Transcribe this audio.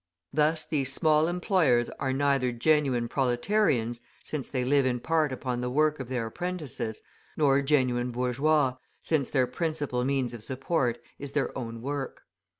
Thus these small employers are neither genuine proletarians, since they live in part upon the work of their apprentices, nor genuine bourgeois, since their principal means of support is their own work.